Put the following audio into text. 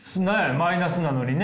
マイナスなのにね。